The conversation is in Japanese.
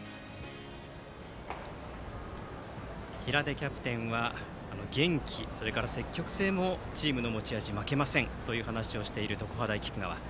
平出キャプテンは元気、それから積極性もチームの持ち味負けませんという話をしている常葉大菊川。